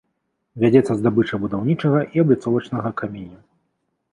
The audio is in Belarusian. Вядзецца здабыча будаўнічага і абліцовачнага каменю.